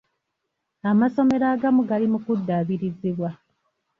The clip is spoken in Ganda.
Amasomero agamu gali mu kuddaabirizibwa.